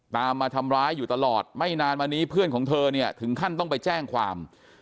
มาทำร้ายอยู่ตลอดไม่นานมานี้เพื่อนของเธอเนี่ยถึงขั้นต้องไปแจ้งความ